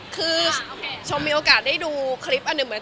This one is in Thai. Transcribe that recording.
คือชมมีโอกาสได้ดูคลิปอันนึง